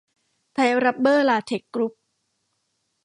ไทยรับเบอร์ลาเท็คซ์กรุ๊ป